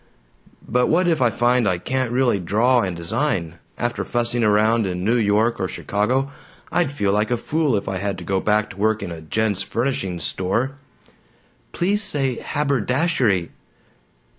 "But what if I find I can't really draw and design? After fussing around in New York or Chicago, I'd feel like a fool if I had to go back to work in a gents' furnishings store!" "Please say 'haberdashery.'"